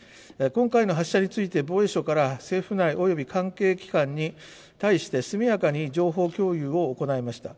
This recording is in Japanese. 今回の発射について、防衛省から政府内および関係機関に対して、速やかに情報共有を行いました。